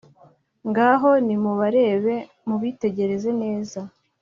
ngaho nimubarebe mubitegereze neza